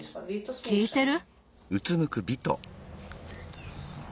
きいてる？